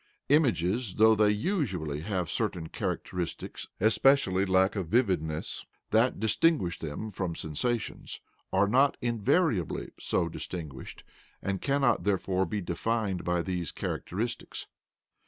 Images, though they USUALLY have certain characteristics, especially lack of vividness, that distinguish them from sensations, are not INVARIABLY so distinguished, and cannot therefore be defined by these characteristics.